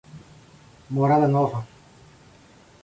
Morada Nova